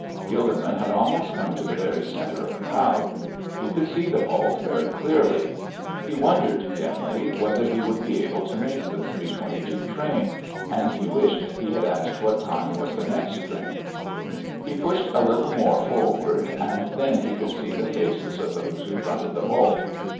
Gilderman had almost come to the very centre of the crowd. He could see the vault very clearly. He wondered, dimly, whether he would be able to make the three twenty two train, and he wished he had asked what time was the next train. He pushed a little more forward, and then he could see the faces of those who fronted the vault.